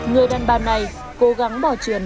người đàn bà này cố gắng bỏ truyền